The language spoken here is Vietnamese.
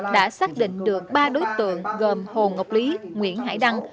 đã xác định được ba đối tượng gồm hồ ngọc lý nguyễn hải đăng